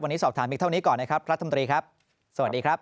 วันนี้สอบถามอีกเท่านี้ก่อนนะครับรัฐมนตรีครับสวัสดีครับ